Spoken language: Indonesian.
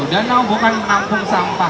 danau bukan mangkung sampah